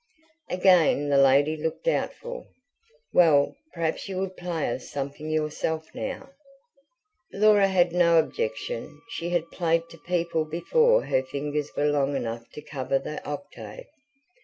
Again the lady looked doubtful. "Well, perhaps you would play us something yourself now?" Laura had no objection; she had played to people before her fingers were long enough to cover the octave.